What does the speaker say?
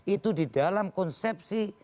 itu di dalam konsepsi